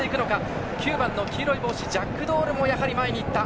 ９番の黄色い帽子のジャックドールも前にいった。